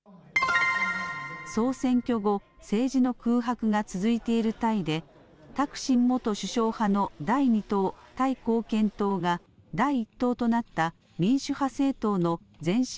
総選挙後、政治の空白が続いているタイで、タクシン元首相派の第２党、タイ貢献党が第１党となった民主派政党の前進